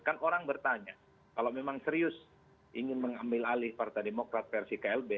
kan orang bertanya kalau memang serius ingin mengambil alih partai demokrat versi klb